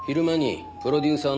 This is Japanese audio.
あっ朴プロデューサー！